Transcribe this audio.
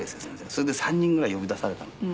それで３人ぐらい呼び出されたの。